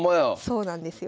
そうなんですよ。